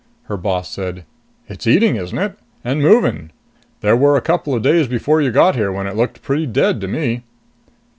Her boss said, "It's eating, isn't it? And moving. There were a couple of days before you got here when it looked pretty dead to me."